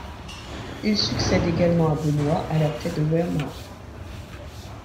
Il succède également à Benoît à la tête de Wearmouth.